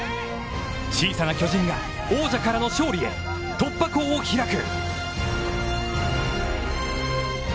小さな巨人が王者からの勝利へ突破口を開く。